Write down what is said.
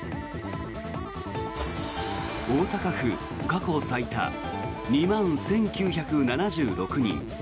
大阪府過去最多２万１９７６人。